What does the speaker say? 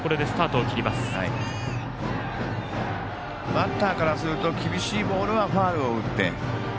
バッターからすると厳しいボールはファウルを打って。